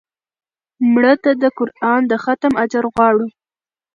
مړه ته د قرآن د ختم اجر غواړو